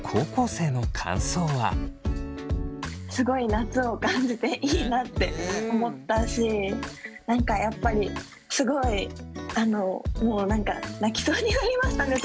ではすごい夏を感じていいなって思ったし何かやっぱりすごいもう何か泣きそうになりましたね